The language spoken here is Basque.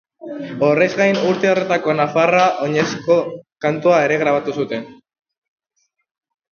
Horrez gain, urte horretako Nafarroa Oinez-eko kantua ere grabatu zuten.